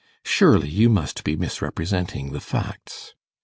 Surely you must be misrepresenting the facts.